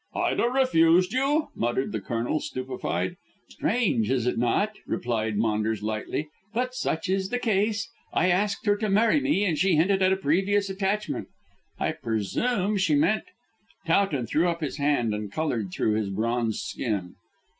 "Ida refused you?" muttered the Colonel stupefied. "Strange, is it not?" replied Maunders lightly, "but such is the case. I asked her to marry me and she hinted at a previous attachment. I presume she meant " Towton threw up his hand and coloured through his bronzed skin.